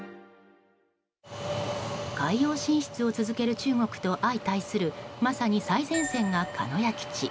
海洋進出を続ける中国と相対するまさに最前線が鹿屋基地。